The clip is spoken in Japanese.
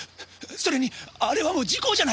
それにあれはもう時効じゃないか！